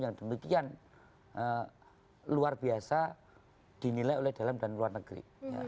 yang demikian luar biasa dinilai oleh dalam dan luar negeri